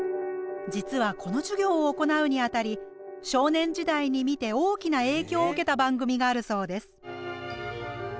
実はこの授業を行うにあたり少年時代に見て大きな影響を受けた番組があるそうです。